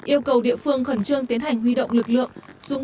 yêu cầu địa phương khẩn trương tiến hành huy động lực lượng